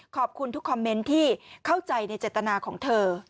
ขอบคุณทุกคอมเมนต์ที่เข้าใจในเจตนาของเธอ